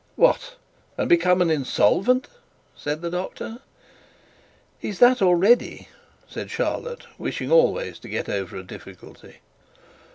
'What, and become an insolvent?' said the doctor. 'He's that already,' said Charlotte, wishing always to get over a difficulty.